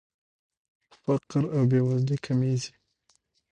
فقر او بېوزلي کمیږي.